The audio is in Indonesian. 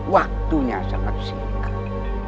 waktunya sempat singkir